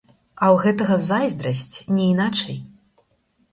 А ў гэтага зайздрасць, не іначай.